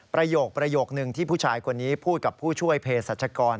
ประโยคนึงที่ผู้ชายคนนี้พูดกับผู้ช่วยเพศสัชกร